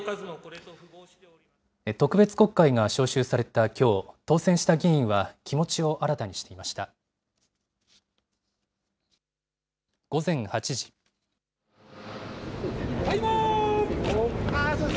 特別国会が召集されたきょう、当選した議員は気持ちを新たにしていました。